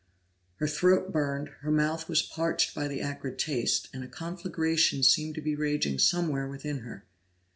Her throat burned, her mouth was parched by the acrid taste, and a conflagration seemed to be raging somewhere within her.